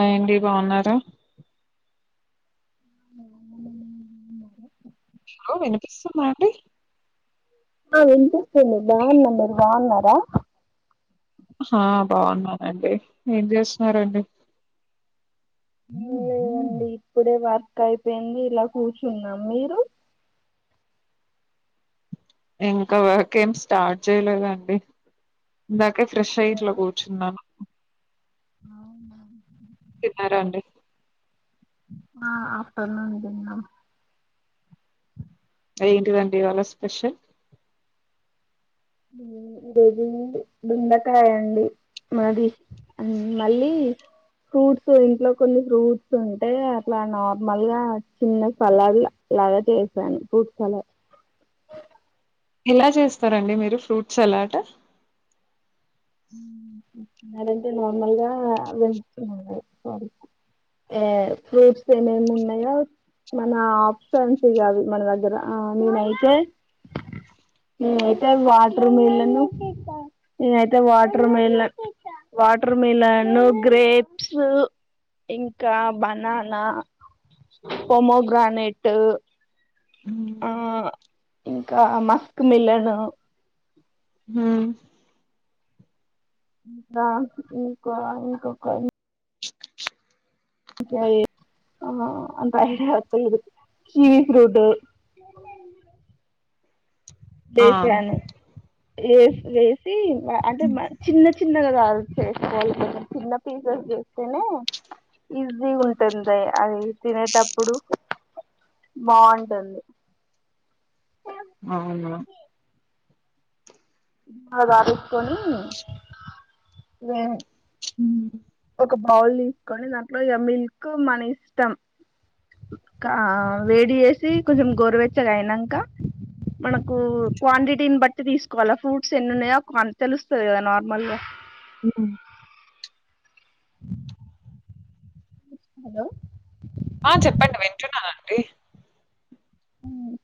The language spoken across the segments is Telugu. హాయండి బావున్నారా [inaudible] అవును వినిపిస్తుందా అండి ఆ వినిపిస్తుంది బావున్నా ను మీరు బావున్నరా ఆహ్ బాగున్నానండి ఏం చేస్తున్నరండి. లేదండి ఇప్పుడే వర్క్ అయిపోయింది ఇలా కూర్చున్నాం మీరు. ఇంకా వర్క్ ఏం స్టార్ట్ చేయలేదండి ఇందక ఇప్పుడే ఫ్రెష్ అయి ఇట్లా కూర్చున్నాను. అవును. తిన్నారా అండి. ఆహ్ ఆఫ్టర్నూన్ తిన్నాం. అదే ఏంటిదండి ఇవాల స్పెషల్. బెండకాయ అండి. మాది అని మళ్ళీ ఫ్రూట్స్ ఇంట్లో కొన్ని ఫ్రూట్స్ ఉంటే అట్లాని నార్మల్గా చిన్న సలాడ్ లాగా చేసాను ఫ్రూట్స్ సలాడ్. ఎలా చేస్తారండి. మీరు ఫ్రూట్స్ సలాడ్. అదేంటి నార్మల్గా వితు సారీ ఏ ఫ్రూట్స్ ఏమేమి ఉన్నాయో. మన ఆప్షన్స్ అవి మన దగ్గర ఆహ్ నేనైతే నేనైతే వాటర్ మిల్లను నేనైతే. అయితే water melon, water melon, grapes ఇంకా బనానా, పోమోగ్రానేట్. హ్మ్ ఆహ్ ఇంకా మాస్క్ మిలన్. ఉమ్ రా ఇంకా ఇంకోకరు. కాయి ఆహ్ అంత ఐడియా లేదు షి ఇస్ డు డేర్. ఆ దేశీయను. ఏసి వేసి. అంటే మా చిన్న. చిన్నగాగాదు చేసుకోవాల్సింది చిన్న పీసెస్ చేస్తేనే ఈజీగా ఉంటుంది అది తినేటప్పుడు బాగుంటుంది. అవును అది అరేసుకొని వేన్ హ్మ్. ఒక బౌల్ తీసుకొని దాంట్లో ఇగ మిల్క్ మన ఇష్టం ఇంకా వేడి చేసి కొంచెం గోరవెచ్చగా అయినాంక మనకు క్వాంటిటీని బట్టి తీసుకోవాలా ఫ్రూట్స్ ఎన్ని ఉన్నాయో తెలుస్తది కదా నార్మల్గా. హ్మ్. ఉమ్ హలో ఆహ్ చెప్పండి వింటున్నానండి.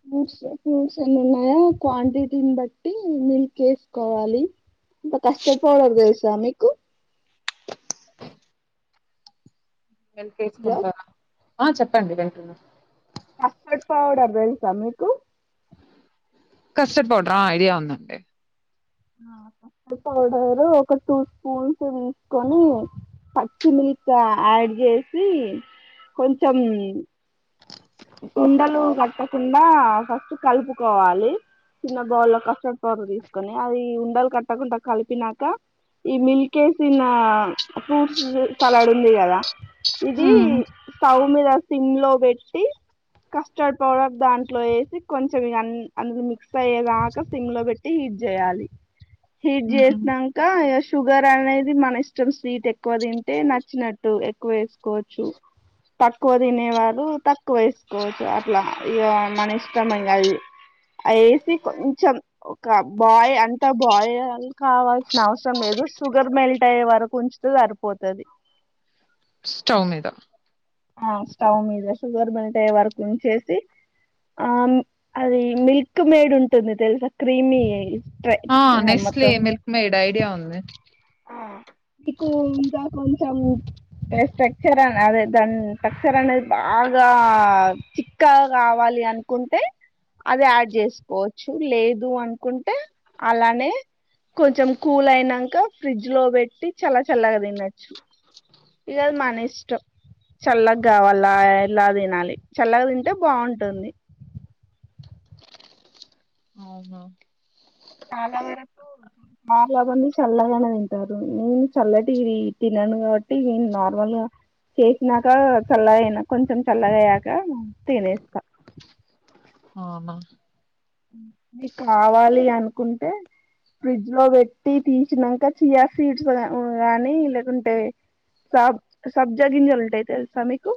ఫ్రూట్స్ ఫ్రూట్స్ ఏనున్నాయో క్వాంటిటీని బట్టి మిల్క్ వేసుకోవాలి ఇంకా కస్టర్డ్ పౌడర్ తెలుసా మీకు. హలో వెళ్ళుకెసుకుంటారా. ఆ చెప్పండి వింటున్నా కస్టర్డ్ పౌడర్ తెలుసా మీకు కస్టర్డ్ పౌడరా ఐడియా ఉంది అండి. కష్టర్డ్ పౌడరు ఒక టూ స్పూన్స్ తీసుకొని పచ్చిమిల్క్ యాడ్ చేసి కొంచెం. ఉండలు కట్టకుండా ఫస్ట్ కలుపుకోవాలి. చిన్న బౌలులో కస్టర్డ్ పౌడర్ తీసుకొని అది ఉండలు కట్టకుండా కలిపినాక ఈ మిల్క్ వేసిన ఫ్రూట్స్ సలాడ్ ఉంది కదా. ఇది హ్మ్. స్టవ్. మీద సిమ్ లో పెట్టి. ట్టి కస్టర్డ్ పౌడర్ దాంట్లో వేసి కొంచెం అందు అందుకు మిక్స్ అయ్యేదక సిమ్ లో పెట్టి హీట్ చేయాలి. హిట్ హుహు. జేసీనాంక. షుగర్ అనేది మన ఇష్టం స్వీట్ ఎక్కువ తింటే నచ్చినట్టు ఎక్కువ వేసుకోవచ్చు తక్కువ తినే వాళ్లు తక్కు. ఎక్కువ వేసుకోవచ్చు అట్లా ఇగ మన ఇష్టమైనవి అవి వేసి కొంచెం ఒక బాయ్ అంతా బాయ్ కావాల్సిన అవసరం లేదు. షుగర్ మెల్ట్ అయ్యే వరకు ఉంచుతే సరిపోతది. స్టవ్ మీద. ఆహ్ స్టవ్ మీద షుగర్ మెల్ట్ అయ్యే వరకు ఉంచేసి ఆహ్ అది మిల్క్ మేడ్ ఉంటుంది తెలుసా క్రీమీ. ట ఆ ఆహ్ నెస్లే మొత్తం మిల్క్ మేడ్ ఐడియా ఉంది మీకు ఇంకా కొంచ్ స్ట్రక్చర్ అదేండి. దాని టస్సర్ అనేది. బాగా చిక్కగా కావాలి అనుకుంటే అది యాడ్ చేసుకోవచ్చు. లేదు అనుకుంటే అలానే కొంచెం కూల్ అయినంక ఫ్రిడ్జ్ లో పెట్టి చల్ల చల్లగా తినచ్చు. ఇగా ఆది మన ఇష్టం. చల్లగా కావాల ఎలా తినాలి చల్లగా తింటే బాగుంటుంది. అవునా చాలా వరకు చాలా మంది చల్లగానే తింటారూ. నేను చల్లటి తినను కాబట్టి నేను నార్మల్ గా చేసినాక చల్లగా అయినా కొంచెం చల్లగా అయ్యాక తినేస్తా ఆవునా మీకు కావాలి. అనుకుంటే ఫ్రిడ్జ్ లో పెట్టి తీసినంక చియా సీడ్స్ గానీ లేకుంటే సబ్ సబ్జగింజలు ఉంటాయి తెలుసా మీకు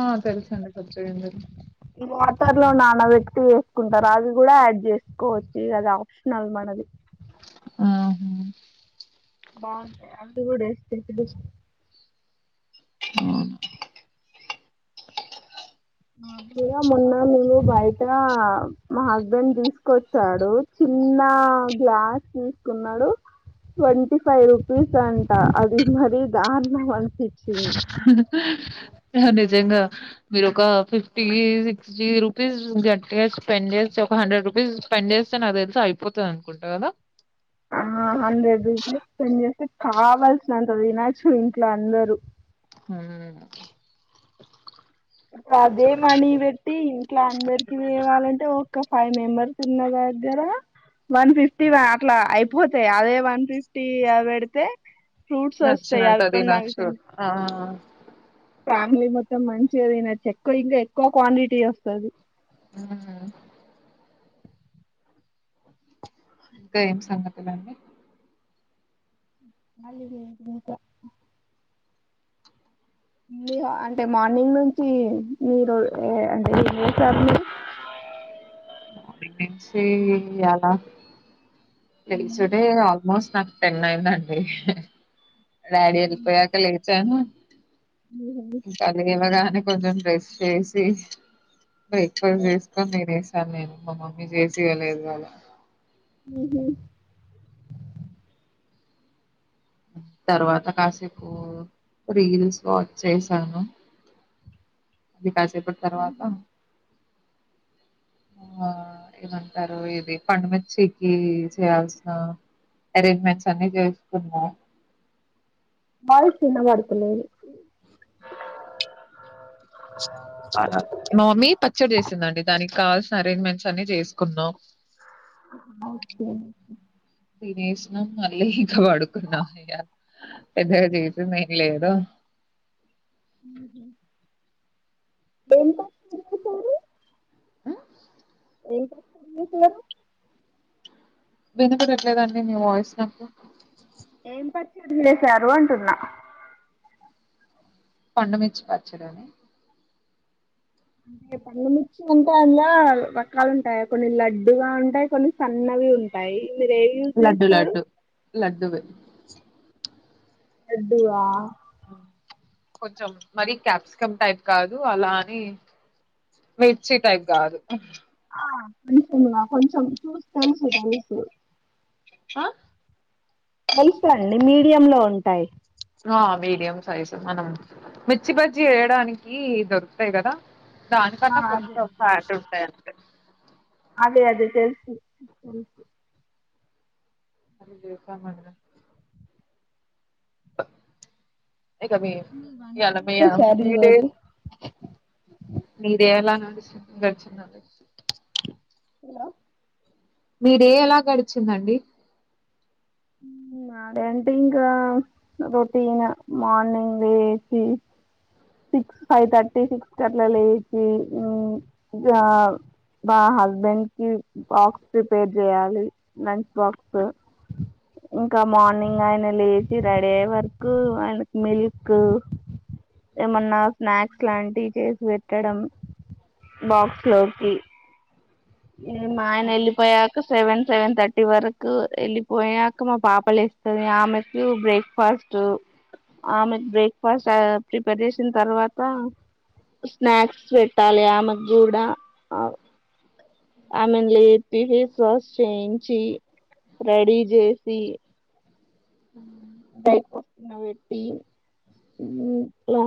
ఆ తెలుసండి కొత్తగంజలు వాటర్ లో నానబెట్టి వేసుకుంటారు. అది కూడా యాడ్ చేసుకోవచ్చు. ఇగ అది ఆప్షనల్ మనది ఆహా బాగుంటాయి. అది కూడా ఏస్తే తెలుస్తా అవును నాకు గూడ మొన్న నువ్వు బయట మా హస్బెండ్ తీసుకొచ్చాడు. చిన్న గ్లాస్ తీసుకున్నాడు. ట్వంటీ ఫైవ్ రూపీస్ అంట. అది మరి దారుణం అనిపించింది. నిజంగా మీరు ఒక ఫిఫ్టీ జి రూపిస్ గట్టిగా చే స్పెండ్ చేస్తే ఒక హండ్రెడ్ రూపీస్ స్పెండ్ చేస్తే నాకు తెలుసి అయిపోతది. అనుకుంట గాదా ఆ హండ్రెడ్ రూపీస్ స్పెండ్ చేస్తే కావాల్సినంత వినచ్చు ఇంట్లో అందరు హ్ ఇప్పుడు అదే మనీ వేట్టి ఇంట్లా అందరికి తేవాలంటే ఒక ఫైవ్ మెంబర్స్ ఉన్న దగ్గర వన్ ఫిఫ్టీ అట్లా అయిపోతాయి అదే వన్ ఫిఫ్టీ పెడితే ఫ్రూట్స్ వస్తాయి నచ్చినంత అవి కొన్ని అవి తీనచ్చు. కొన్ని ఆ ఫ్యామిలీ మొత్తం మంచిగా తినచ్చు. ఎక్కువ ఇంకా ఎక్కువ క్వాంటిటీ వస్తది. ఆ ఇంకా ఏం సంగతులండి. మల్లి చేయించినం ఇంకా అంటే మార్నింగ్ నుంచి మీరు అంటే ఏం చేసారు. మీరు నాకు తెలిసి అలా తెలిసినే ఆల్మోస్ట్ నాకు టెన్ అయింది అండి డాడీ ఏలిపోయాక లేచాను కలియే గాదా అ కొంచెం డ్రెస్ చేసి బ్రేక్ఫాస్ట్ మీరు చేసుకొని తినేసం. సార్ నేను మా మమ్మీ చేసివ్వలేదు. ఇవాళ ఉహ్ తర్వాత కాసేపు రీల్స్ వాచ్ చేసాను. ఇగ కాసేపటి తర్వాత ఆ ఏమంటారు. ఇది పండుమిర్చ్చికి చేయాల్సిన అరేంజ్మెంట్స్ అన్ని చేసుకున్నా వాయిస్ ఇనబాడుతలేదు. నవమి ప చ్చడు చేసింద అండి. దానికి కావాల్సిన అరేంజ్మెంట్స్ అన్ని జేసుకున్నాం. ఓకే తినేసినం మళ్ళీ ఇక పడుకున్నాం ఇగ పెదగా చేసింది ఏం లేదో ఉహుం డెంట్ సారు అ ఏకాసు [unintelligible] విన్నపడట్లేదండి నీ వాయిస్ నాకు ఏం పర్ వదిలేసారు అంటున్నా పడుమిచ్చి పచ్చడి అని అంటే పండుమిర్చి ఉంటాయి. అందు రకాలు ఉంటాయా కొన్ని లడ్డుగా ఉంటాయి. కొన్ని సన్నవి ఉంటాయి. మీరు ఏవి యూజ్ లడ్డు చేస్తారు లడ్డు లడ్డువి లడ్డువా హుమ్ కొంచెం మరి క్యాప్సికం టైప్ కాదు. అలాని మిర్చి టైప్ కాదు. ఆ కొంచింగా కొంచెం చూసి తెలుసు తెలుసు హ మొలుస్తాయ్ అండి మీడియం లో ఉంటాయి ఆ మీడియం సైజు మనం మిర్చి బజ్జి వేయడానికి దొరుకుతాయి కదా ఆ దానికన్నా అదే కొంచెం ఫ్యాట్ ఉంటాయి అనమా అంటే అది తెలుసు తె అది జసా మడిన ఇక మీ ఇయాల ఏం చేశారు మీ ఈరోజు డేస్ మీదే డే ఎలా [unintelligible] గడిచిన మీడే ఎలా గడిచిందండి నా డే అంటే ఇంకా రొటీన్ గా మార్నింగ్ లేసి సిక్స్ ఫైవ్ థర్టీ సిక్స్ క అట్లా లేచి మా హస్బెండ్ కి బాక్స్ ప్రిపేర్ చేయాలి లంచ్ బాక్స్ ఇంకా మార్నింగ్ ఆయన లేచి రెడీ అయ్యే వరకు ఆయనకి మిల్క్ ఏమన్నా స్నాక్స్ లాంటివి చేసి పెట్టడం బాక్స్ లోకి ఏ మా ఆయన వెళ్ళిపోయాక సెవెన్ సెవెన్ థర్టీ వరకు వెళ్ళిపోయాక మా పాపలు లేస్తది ఆమెకు బ్రేక్ఫాస్ట్ ఆమెకు బ్రేక్ఫాస్ట్ ప్రిపర్ చేసిన తర్వాత స్నాక్స్ పెట్టాలి ఆమెకు కూడా ఆ ఆమెను లేపి ఫేస్ వాష్ చేయించి రెడీ చేసి బ్రేక్ ఫస్ట్ పెట్టి ఇలా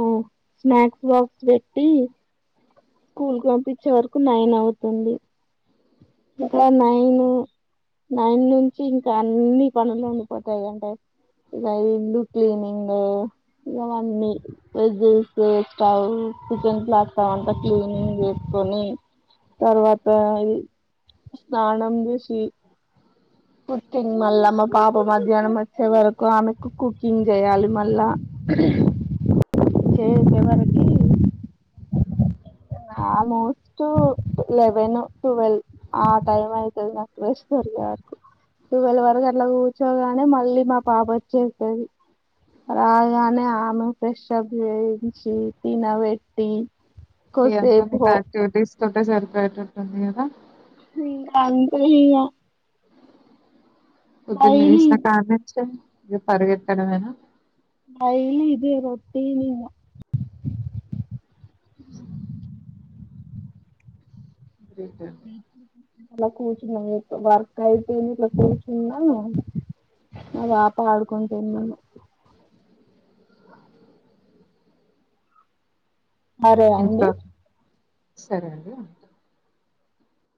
స్నాక్స్ బాక్స్ పెట్టి స్కూల్ కి పంపించే వరకు నైన్ అవుతుంది గట్ల నైన్ నైన్ నుంచి ఇంకా అన్ని పనులు ఉండిపోతాయింటే ఇగ ఇల్లు క్లీనింగ్ ఇవన్నీ డ్జెస్ స్టవ్ కిచెన్ ప్లాట్టవ్ అంతా క్లీనింగ్ చేసుకొని తర్వాత స్నానం చేసి కుకింగ్ మళ్ళా మా పాప మధ్యాహ్నం వచ్చే వరకు ఆమెకు కుకింగ్ చేయాలి మళ్ళా [unintelligible] ఆల్మోస్ట్ లెవెన్ టువెల్వ్ ఆ టైం అయితది నాకు రెస్ట్ దోరికే వరకు టువెల్వ్ వరకు అట్లా కూర్చోగానే మళ్ళీ మా పాప వచ్చేస్తది రాగానే ఆమె ఫ్రెష్ అప్ చేయించి తినబెట్టి కోసేపు హో ఇగ స్ సరిపోయేటట్టు ఉంది కదా ఇకాంతే ఇగ పొద్దున డైలీ లేశిన కనించేలి ఇగ పరుగేత్తడమేనా డైలీ ఇదే రొటిన్ ఇగ గ్రేట్ అండి అ అలా కూర్చున్నాం వర్క్ అయిపోఇంది ఇట్లా కూర్చున్నా మా పాప ఆడుకుంటుంది అరే అండి ఇంట్లో సరే అండి